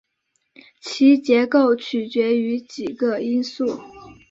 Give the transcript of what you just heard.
其结构取决于几个因素。